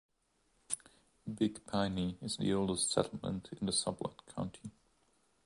Big Piney is the oldest settlement in Sublette County.